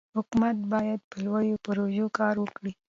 حکومت باید په لویو پروژو کار وکړي.